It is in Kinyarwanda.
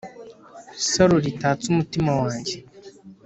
Saro ritatse umutima wanjye